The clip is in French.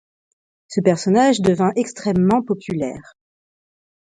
Ce personnage devint extrêmement populaire.